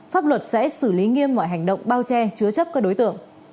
pháp luật sẽ xử lý nghiêm mọi hành động bao che chứa chấp các đối tượng